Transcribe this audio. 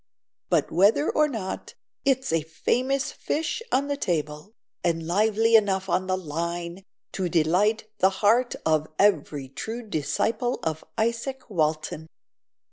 But whether or not, it's a famous fish on the table, and lively enough on the line to delight the heart of every true disciple of Isaac Walton."